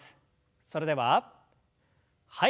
それでははい。